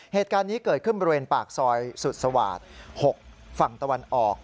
เหตุการณ์นี้เกิดขึ้นบริเวณปากซอยสุดสวาส๖ฝั่งตะวันออก